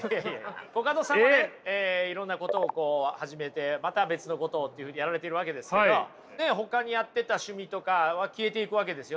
コカドさんはねいろんなことをこう始めてまた別のことっていうふうにやられてるわけですけどねえほかにやってた趣味とかは消えていくわけですよね？